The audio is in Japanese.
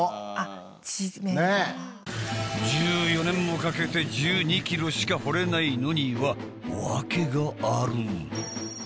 １４年もかけて１２ｋｍしか掘れないのには訳がある。